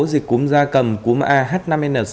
dịch cúm gia cầm cúm ah năm n sáu